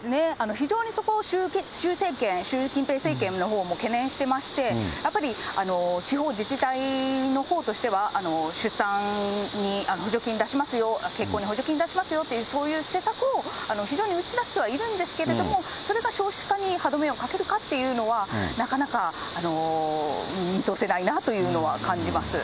非常にそこを習政権、習近平政権のほうも懸念していまして、やっぱり地方自治体のほうとしては、出産に補助金出しますよ、結婚に補助金出しますよという施策を非常に打ち出してはいるんですけれども、それが少子化に歯止めをかけるかっていうのは、なかなか見通せないなというのは感じます。